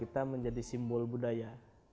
kita menjadi simbol budaya